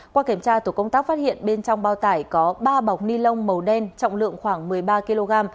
qua kiểm tra tổ công tác phát hiện bên trong bao tải có ba bọc ni lông màu đen trọng lượng khoảng một mươi ba kg